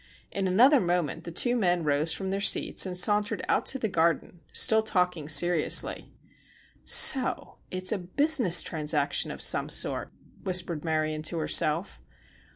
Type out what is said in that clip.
In another moment the two men rose from their seats and sauntered out to the garden, still talking seriously. "So it is a business transaction of some sort!" whispered Marion to herself.